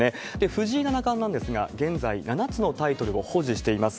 藤井七冠なんですが、現在、７つのタイトルを保持しています。